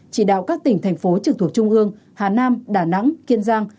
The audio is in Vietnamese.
chỉ đạo các tỉnh thành phố trực thuộc trung ương hà nam đà nẵng kiên giang